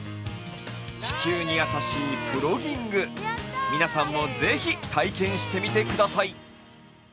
地球に優しいプロギング皆さんもぜひ体験してみてください。